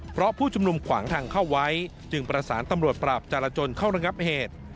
เพราะผู้ชุมนุมขวางทางเข้าไว้จึงประสานตำรวจปราบจารจนเข้าระงับเหตุ